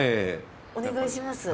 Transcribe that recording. お願いします。